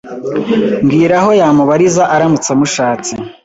mbwira aho yamubariza aramutse amushatse: